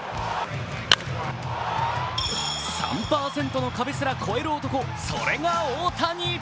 ３％の壁すら越える男、それが大谷。